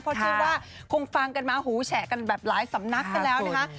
เพราะเชื่อว่าคงฟังกันมาหูแฉะกันแบบหลายสำนักกันแล้วนะคะ